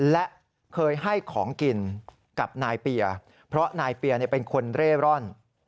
และเคยให้ของกินกับนายเปียเพราะนายเปียเป็นคนเร่ร่อน